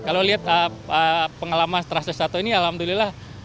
kalau melihat pengalaman terakhir satu ini alhamdulillah